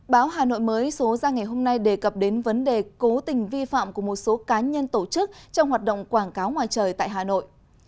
báo hà nội mới số ra ngày hôm nay đề cập đến vấn đề cố tình vi phạm của một số cá nhân tổ chức trong hoạt động quảng cáo ngoài trời tại hà nội